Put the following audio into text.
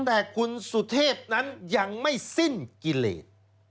แต่คุณสุเทพนั้นยังไม่สิ้นกิเลส